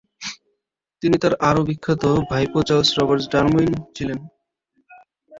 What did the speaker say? তিনি তাঁর আরও বিখ্যাত ভাইপো চার্লস রবার্ট ডারউইন ছিলেন না।